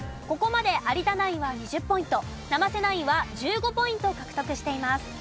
ここまで有田ナインは２０ポイント生瀬ナインは１５ポイント獲得しています。